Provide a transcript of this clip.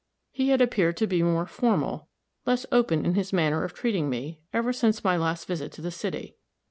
He had appeared to be more formal, less open in his manner of treating me, ever since my last visit to the city.